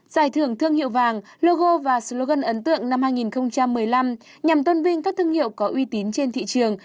giải thưởng thương hiệu vàng logo và slogan ấn tượng năm hai nghìn một mươi năm nhằm tôn vinh các thương hiệu có uy tín trên thị trường